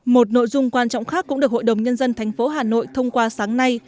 một nội dung quan trọng khác cũng được hội đồng nhân dân tp hà nội thông qua sáng nay